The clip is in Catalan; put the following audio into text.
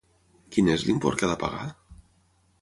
Quin és l'import que ha de pagar?